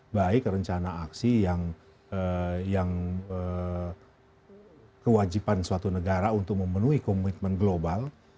baik rencana aksi yang kewajiban suatu negara untuk memenuhi komitmen global